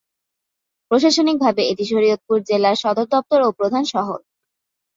প্রশাসনিকভাবে এটি শরীয়তপুর জেলার সদরদপ্তর ও প্রধান শহর।